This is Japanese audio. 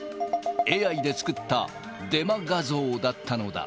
ＡＩで作ったデマ画像だったのだ。